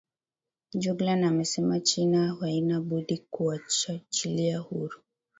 juglan amesema china haina budi kumwachilia huru